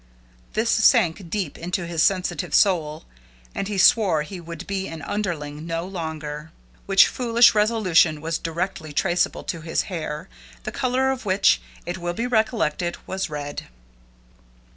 This sank deep into his sensitive soul, and he swore he would be an underling no longer which foolish resolution was directly traceable to his hair, the color of which, it will be recollected, was red.